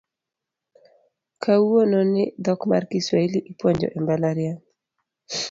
Kawuono ni dhok mar Kiswahili ipuonjo e mbalariany